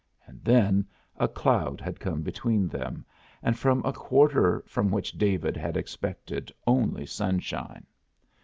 And then a cloud had come between them, and from a quarter from which David had expected only sunshine.